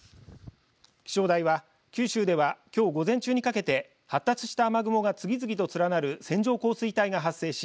気象台は、九州ではきょう午前中にかけて発達した雨雲が次々と連なる線状降水帯が発生し